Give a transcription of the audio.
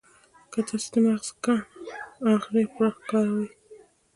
که تاسې د مغز کڼ اړخ ډېر کاروئ.